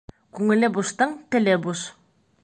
Күңеле буштың теле буш.